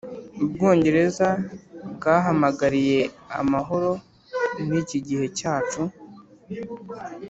ubwongereza bwahamagariye amahoro muri iki gihe cyacu '